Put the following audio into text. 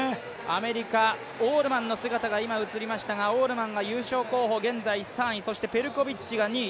アメリカ、オールマンの姿が今、映りましたがオールマンが優勝候補、現在３位、そして、ペルコビッチが２位。